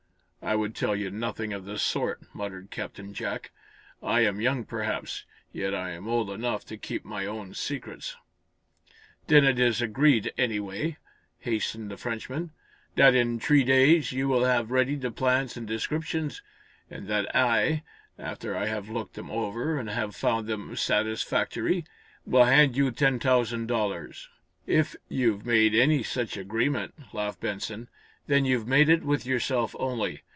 "I would tell you nothing of the sort," muttered Captain Jack. "I am young, perhaps, yet I'm old enough to keep my own secrets." "Then it is agreed, anyway," hastened on the Frenchman, "that, in three days, you will have ready the plans and descriptions, and that I, after I have looked them over and have found them satisfactory, will hand you ten thousand dollars." "If you've made any such agreement," laughed Benson, "then you've made it with yourself only.